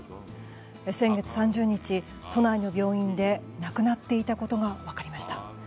先月３０日、都内の病院で亡くなっていたことが分かりました。